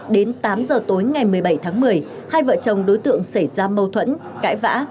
đến tám giờ tối ngày một mươi bảy tháng một mươi hai vợ chồng đối tượng xảy ra mâu thuẫn cãi vã